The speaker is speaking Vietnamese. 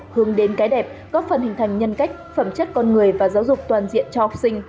hướng đến cái đẹp góp phần hình thành nhân cách phẩm chất con người và giáo dục toàn diện cho học sinh